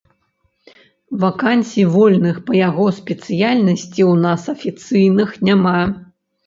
Вакансій вольных па яго спецыяльнасці ў нас афіцыйных няма.